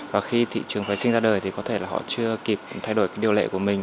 và khi thị trường vệ sinh ra đời thì có thể là họ chưa kịp thay đổi điều lệ của mình